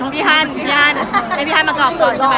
พี่ฮันให้พี่ฮันมาตอบก่อนใช่ไหม